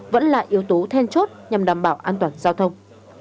vẫn là yếu tố then chốt nhằm đảm bảo an toàn giao thông